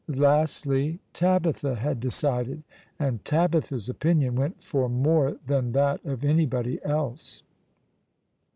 Lastly, Tabitha had decided ; and Tabitha's opinion went for more than that of anybody else.